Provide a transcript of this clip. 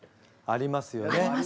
ありますよね。